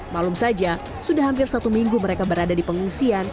malum saja sudah hampir satu minggu mereka berada di pengungsian